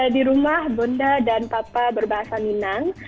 di rumah gonda dan papa berbahasa minang